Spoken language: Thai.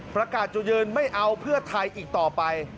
ประกาศจุดยืนไม่เอาเพื่อไทยอีกต่อไป